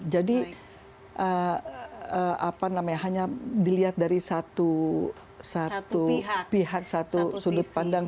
jadi hanya dilihat dari satu pihak satu sudut pandang